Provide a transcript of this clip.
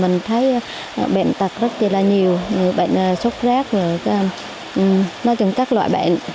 mình thấy bệnh tật rất là nhiều bệnh sốc rác các loại bệnh